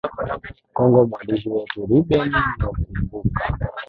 congo mwandishi wetu reuben lokumbuka